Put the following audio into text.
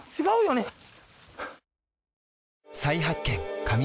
違うよね？